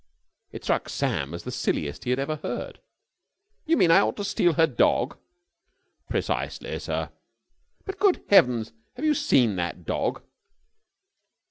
It struck Sam as the silliest he had ever heard. "You mean I ought to steal her dog?" "Precisely, sir." "But, good heavens! Have you seen that dog?"